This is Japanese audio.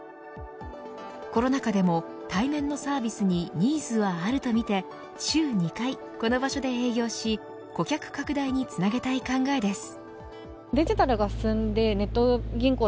コロナ禍でも対面のサービスにニーズはあるとみて週２回、この場所で営業し顧客拡大につなげたい考えです。